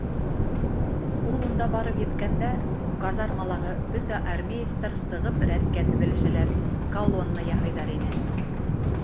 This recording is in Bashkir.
Ул унда барып еткәндә, казармалағы бөтә армеецтар сығып рәткә теҙелешәләр, колонна яһайҙар ине.